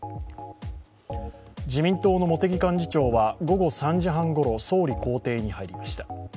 自民党の茂木幹事長は午後３時半ごろ、総理公邸に入りました。